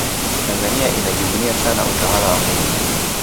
tanzania inajivunia sana utawala wa mwinyi